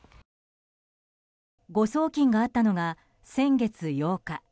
誤送金があったのが先月８日。